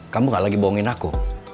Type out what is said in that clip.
kamu gak lagi bohongin aku